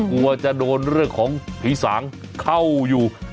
กลัวจะโดนเรื่องของผีสางเข้าอยู่